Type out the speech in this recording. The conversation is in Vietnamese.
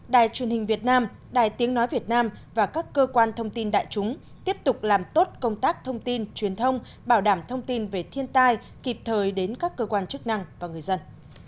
đài truyền hình việt nam đài tiếng nói việt nam và các cơ quan thông tin đại chúng tiếp tục làm tốt công tác thông tin truyền thông bảo đảm thông tin về thiên tai kịp thời đến các cơ quan chức năng và người dân